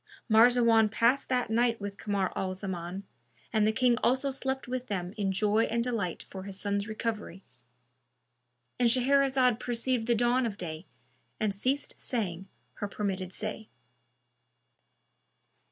Marzawan passed that night with Kamar al Zaman, and the King also slept with them in joy and delight for his son's recovery.—And Shahrazad perceived the dawn of day and ceased saying her permitted say.